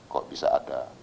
kok bisa ada